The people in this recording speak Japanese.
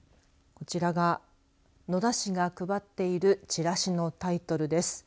こちらが野田市が配っているチラシのタイトルです。